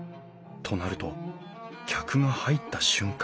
となると客が入った瞬間